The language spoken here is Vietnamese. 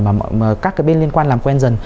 và các cái bên liên quan làm quen dần